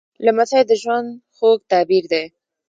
لمسی د ژوند خوږ تعبیر دی.